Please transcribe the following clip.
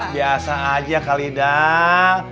biasa aja kalidang